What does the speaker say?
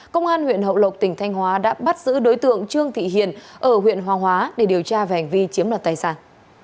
công an huyện hậu lộc tỉnh thanh hóa đã bắt giữ đối tượng trương thị hiền ở huyện hoàng hóa để điều tra về hành vi chiếm đoạt tài sản